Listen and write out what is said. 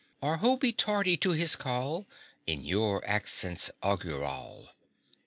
Or who be tardy to His call In your accents augural?